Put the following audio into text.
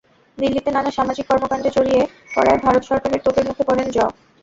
দিল্লিতে নানা সামাজিক কর্মকাণ্ডে জড়িয়ে পড়ায় ভারত সরকারের তোপের মুখে পড়েন জঁ।